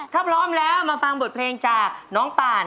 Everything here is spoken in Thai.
ถ้าพร้อมแล้วมาฟังบทเพลงจากน้องป่าน